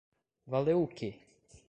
Valeu o quê?